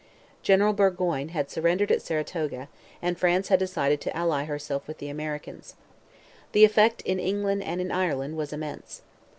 General Burgoyne had surrendered at Saratoga, and France had decided to ally herself with the Americans. The effect in England and in Ireland was immense.